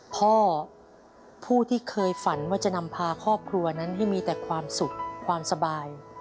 พ่อผู้ที่เคยฝันว่าจะนำพาครอบครัวนั้นให้มีแต่ความสุขความสบาย